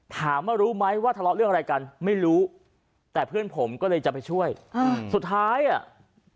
ถามว่ารู้ไหมว่าทะเลาะเรื่องอะไรกันไม่รู้แต่เพื่อนผมก็เลยจะไปช่วยอ่าสุดท้ายอ่ะ